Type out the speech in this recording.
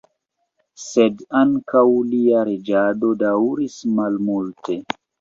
Sed ankaŭ lia reĝado daŭris malmulte.